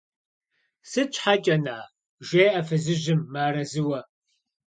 – Сыт щхьэкӀэ-на? – жеӀэ фызыжьым мыарэзыуэ.